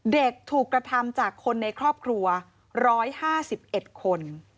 เด็กถูกกระทำจากคนในครอบครัว๑๕๑คน